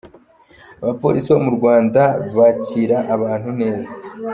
Abapolisi bo mu Rwanda bacyira abantu neza.